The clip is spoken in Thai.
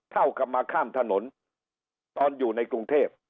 เท่ากับมาข้ามถนนตอนอยู่ในกรุงเทพ